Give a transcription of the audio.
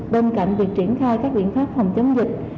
bên cạnh việc triển khai các biện pháp phòng chống dịch